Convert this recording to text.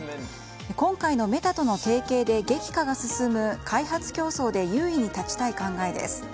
今回のメタとの提携で激化が進む開発競争で優位に立ちたい考えです。